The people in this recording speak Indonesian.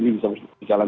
dapat juga karena